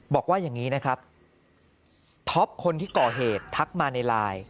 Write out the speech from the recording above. บอกว่าอย่างนี้นะครับท็อปคนที่ก่อเหตุทักมาในไลน์